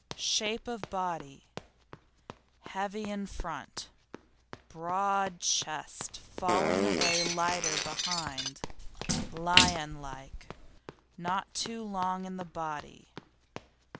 SHAPE OF BODY Heavy in front; broad chest falling away lighter behind; lion like; not too long in the body.